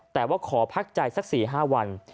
แต่ว่าขอพักใจสัก๔๕วัน